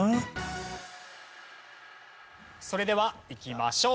それではいきましょう。